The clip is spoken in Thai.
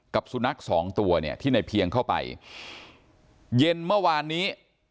กับสุนัขสองตัวเนี่ยที่ในเพียงเข้าไปเย็นเมื่อวานนี้